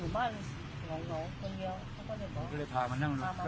โปรดติดตามตอนต่อไป